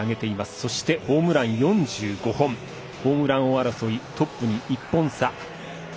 そしてホームラン４５本ホームラン王争いトップに１本差。